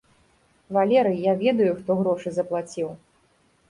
Валерый, я ведаю хто грошы заплаціў.